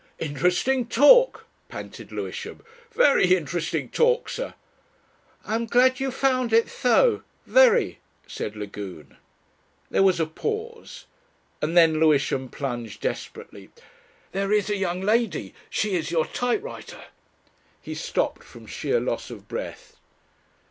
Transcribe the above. "Interesting talk," panted Lewisham. "Very interesting talk, sir." "I'm glad you found it so very," said Lagune. There was a pause, and then Lewisham plunged desperately. "There is a young lady she is your typewriter...." He stopped from sheer loss of breath.